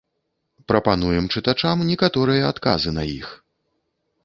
Прапануем чытачам некаторыя адказы на іх.